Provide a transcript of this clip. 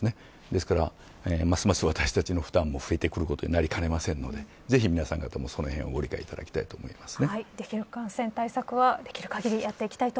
ですからますます私たちの負担も増えていくことになりかねませんのでぜひ皆さんもそのへんご理解していただきたいと思います。